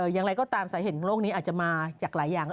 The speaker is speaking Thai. อย่างไรก็ตามสาเหตุของโรคนี้อาจจะมาจากหลายอย่าง